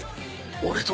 俺と？